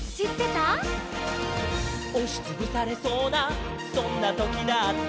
「おしつぶされそうなそんなときだって」